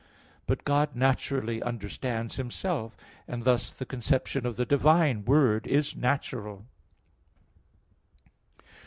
But God naturally understands Himself, and thus the conception of the divine Word is natural.